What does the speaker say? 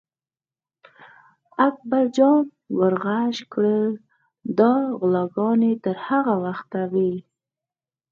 اکبر جان ور غږ کړل: دا غلاګانې تر هغه وخته وي.